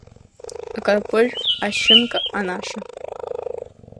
Акарпыжә, ашьынка, анаша…